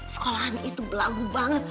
sekolahan itu belagu banget